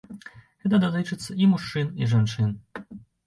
Гэта датычыцца і мужчын, і жанчын.